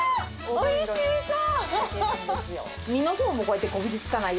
おいしそう！